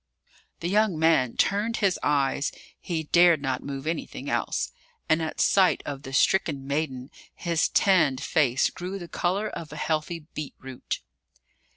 The young man turned his eyes he dared not move anything else and, at sight of the stricken maiden, his tanned face grew the colour of a healthy beetroot.